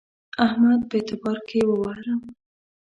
احمد په اعتبار کې ووهلم.